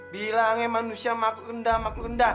bilangnya manusia makrunda makrunda